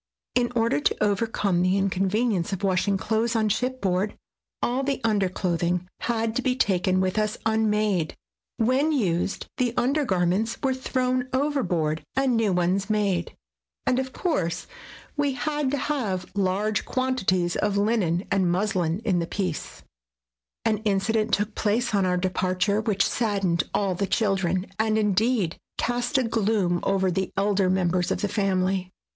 In order to overcome the inconvenience of washing clothes on shipboard, all the underclothing had to be taken with us unmade. When used, the undergarments were thrown overboard and new ones made, and of course we had to have large quantities of linen and muslin in the piece. SKETCHES OF TRAVEL An incident took place on our departure which saddened all the children, and, indeed, cast a gloom over the elder members of the family.